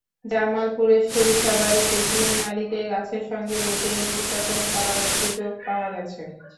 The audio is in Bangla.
জামালপুরের সরিষাবাড়ীতে তিন নারীকে গাছের সঙ্গে বেঁধে নির্যাতন করার অভিযোগ পাওয়া গেছে।